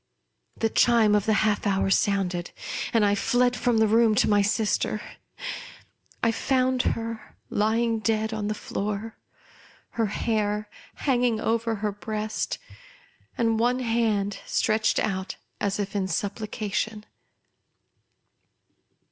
The chime of the half hour sounded ; and, I fled from the room to my sister. I found her lying dead on the floor ; her hair hanging over her breast, and one hand stretched out as if in supplication.